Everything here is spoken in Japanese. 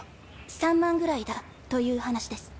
３万ぐらいだという話です。